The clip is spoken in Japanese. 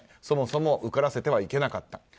そもそも受からせてはいけなかった。